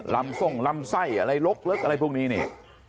ลำทรงลำไส้อะไรลกลึกอะไรพวกนี้นี่